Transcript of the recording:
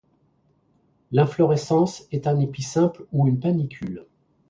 L'inflorescence est un épi simple ou une panicule.